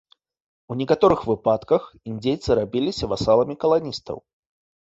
У некаторых выпадках індзейцы рабіліся васаламі каланістаў.